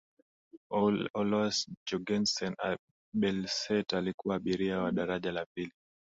olaus jorgensen abelset alikuwa abiria wa daraja la pili